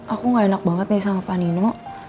aku gak enak banget nih sama pak nino